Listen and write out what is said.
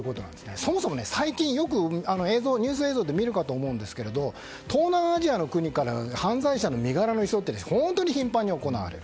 そもそも最近よくニュース映像で見るかと思うんですけど東南アジアの国から犯罪者の身柄の移送って本当に頻繁に行われる。